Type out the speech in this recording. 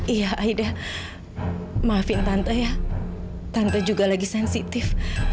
iya aida maafin tante ya tante juga lagi sensitif